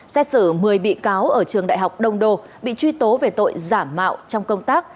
xét xử một mươi bị cáo ở trường đại học đông đô bị truy tố về tội giả mạo trong công tác